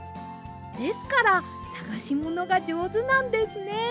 ですからさがしものがじょうずなんですね。